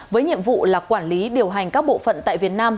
với nhiệm vụ là quản lý điều hành các bộ phận tại việt nam